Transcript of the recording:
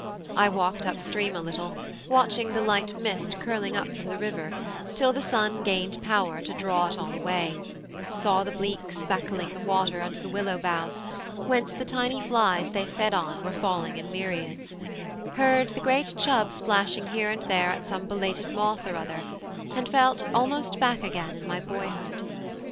I walked up stream a little, watching the light mist curling up from the river till the sun gained power to draw it all away; saw the bleak speckling the water under the willow boughs, whence the tiny flies they fed on were falling in myriads; heard the great chub splashing here and there at some belated moth or other, and felt almost back again in my boyhood.